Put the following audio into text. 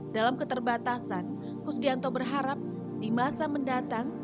dalam keterbatasan kusdianto berharap di masa mendatang